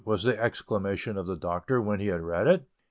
was the exclamation of the Doctor when he had read it.